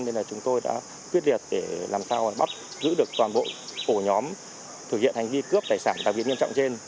nên là chúng tôi đã quyết liệt để làm sao bắt giữ được toàn bộ ổ nhóm thực hiện hành vi cướp tài sản đặc biệt nghiêm trọng trên